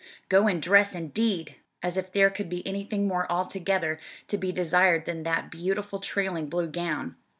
"Go and dress" indeed! As if there could be anything more altogether to be desired than that beautiful trailing blue gown!